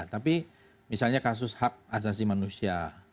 tapi misalnya kasus hak asasi manusia